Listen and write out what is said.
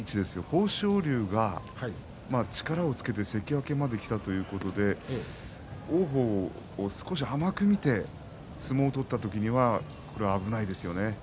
豊昇龍が力をつけて関脇まできたということで王鵬を少し甘く見て相撲を取った時には危ないですよね。